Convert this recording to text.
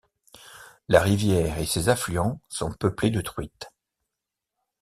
La rivière et ses affluents sont peuplés de truites.